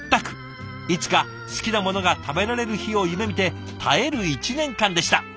いつか好きなものが食べられる日を夢みて耐える一年間でした。